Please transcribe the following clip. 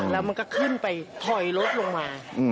แล้วมันก็ขึ้นไปถอยรถลงมา